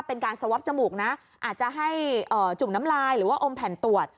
เป็นการสวอปจมูกนะอาจจะให้จุ่มน้ำลายหรือว่าอมแผ่นตรวจ